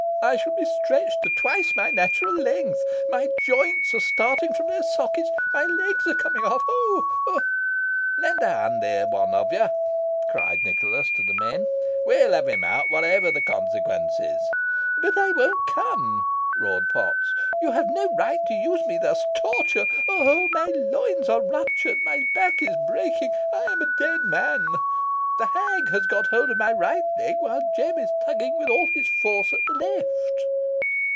"I shall be stretched to twice my natural length. My joints are starting from their sockets, my legs are coming off oh! oh!" "Lend a hand here, one of you," cried Nicholas to the men; "we'll have him out, whatever be the consequence." "But I won't come!" roared Potts. "You have no right to use me thus. Torture! oh! oh! my loins are ruptured my back is breaking I am a dead man. The hag has got hold of my right leg, while Jem is tugging with all his force at the left."